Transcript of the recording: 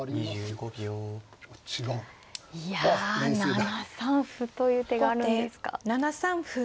７三歩という手があるんですか。